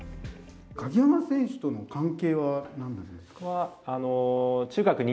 鍵山選手との関係はなんですか？